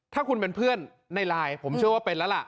ถ้าคุณเป็นเพื่อนในไลน์